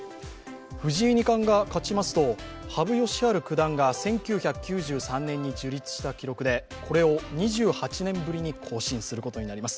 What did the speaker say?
藤井二冠が勝ちますと羽生善治九段が１９９３年に樹立した記録で、これを２８年ぶりに更新することになります。